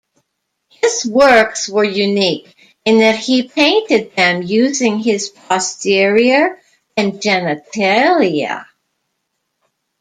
His works were unique in that he painted them using his posterior and genitalia.